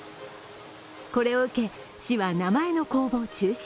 これを受け、市は名前の公募を中止